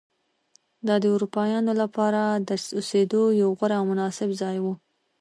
دا د اروپایانو لپاره د اوسېدو یو غوره او مناسب ځای و.